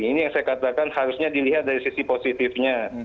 ini yang saya katakan harusnya dilihat dari sisi positifnya